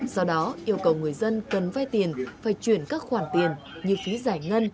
do đó yêu cầu người dân cần vay tiền phải chuyển các khoản tiền như phí giải ngân